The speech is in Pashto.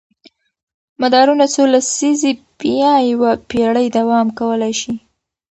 مدارونه څو لسیزې یا یوه پېړۍ دوام کولی شي.